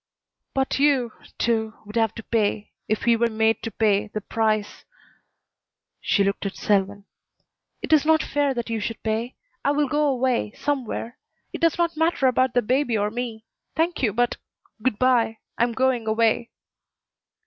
"But you, too, would have to pay if he were made to pay the price." She looked at Selwyn. "It is not fair that you should pay. I will go away somewhere. It does not matter about the baby or me. Thank you, but Good by. I'm going away."